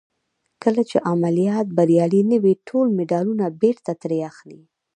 کله چې عملیات بریالي نه وي ټول مډالونه بېرته ترې اخلي.